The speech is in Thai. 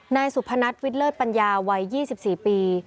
นายสุพนัทวิทย์เลิศปัญญาวัย๒๔ปี